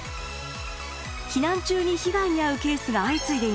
避難中に被害に遭うケースが相次いでいます。